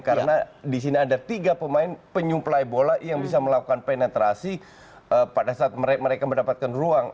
karena di sini ada tiga pemain penyuplai bola yang bisa melakukan penetrasi pada saat mereka mendapatkan ruang